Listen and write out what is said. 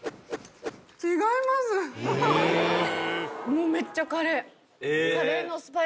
もうめっちゃカレー。